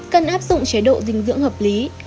cần áp dụng chế độ dinh dưỡng hợp lý